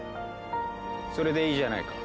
それでいいじゃないか。